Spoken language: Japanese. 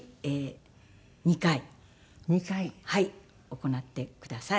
行ってください。